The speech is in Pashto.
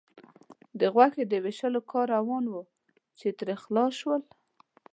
د غوښې د وېشلو کار روان و، چې ترې خلاص شول.